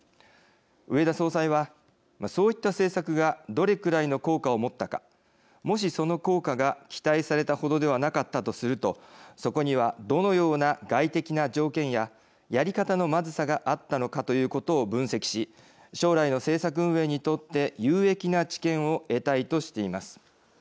植田総裁はそういった政策がどれくらいの効果を持ったかもし、その効果が期待されたほどではなかったとするとそこにはどのような外的な条件ややり方のまずさがあったのかということを分析し将来の政策運営にとって有益な知見を得たいとしています。